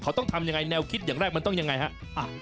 เขาต้องทำยังไงแนวคิดอย่างแรกมันต้องยังไงฮะ